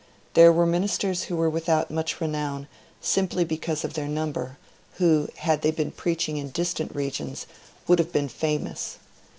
There were ministers who were without much renown simply because of their number, who, had they been preaching in distant regions, would have been famous.